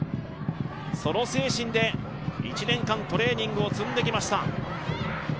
その精神で１年間トレーニングを積んできました。